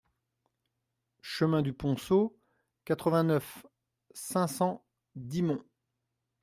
Chemin du Ponceau, quatre-vingt-neuf, cinq cents Dixmont